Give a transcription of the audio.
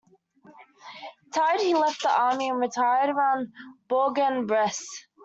Tired, he left the army and retired around Bourg-en-Bresse.